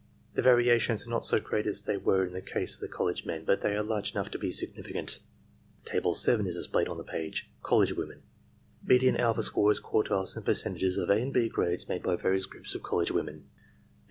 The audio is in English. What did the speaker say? The variations are not so great as they were in the case of the college men, but they are large enough to be significant. TABLE 7 Colleqe: Women Median alpha scores, quartJIes, and percentages of A and B grades made by various groups of college women 1 &&.